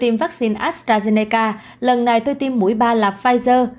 tiêm vaccine astrazeneca lần này tôi tiêm mũi ba là pfizer